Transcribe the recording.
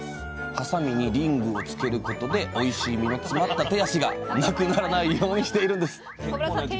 ハサミにリングをつけることでおいしい身の詰まった手脚が無くならないようにしているんです